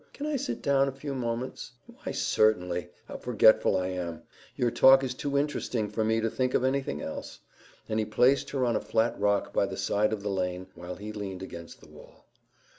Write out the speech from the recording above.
Can I sit down a few moments?" "Why, certainly! How forgetful I am! Your talk is too interesting for me to think of anything else," and he placed her on a flat rock by the side of the lane while he leaned against the wall.